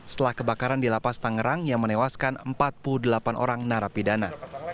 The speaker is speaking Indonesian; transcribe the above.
setelah kebakaran di lapas tangerang yang menewaskan empat puluh delapan orang narapidana